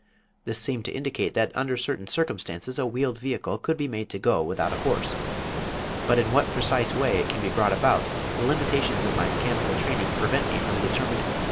This seemed to indicate that under certain circumstances a wheeled vehicle could be made to go without a horse, but in what precise way it can be brought about the limitations of my mechanical training prevent me from determi ...